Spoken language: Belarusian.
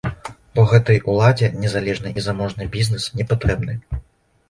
Бо гэтай уладзе незалежны і заможны бізнэс не патрэбны.